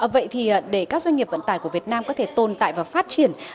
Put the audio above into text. vậy thì để các doanh nghiệp vận tải của việt nam có thể tồn tại và phát triển